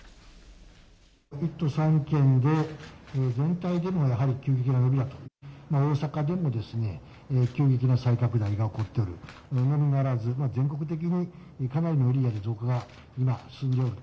１都３県で、全体でもやはり急激な伸び、大阪でも急激な再拡大が起こっているのみならず、全国的にかなりのエリアで増加が今、進んでいると。